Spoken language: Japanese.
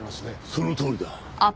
そのとおりだ。